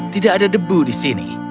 tidak ada debu di sini